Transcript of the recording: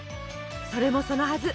それもそのはず